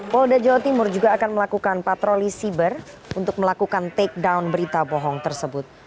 polda jawa timur juga akan melakukan patroli siber untuk melakukan take down berita bohong tersebut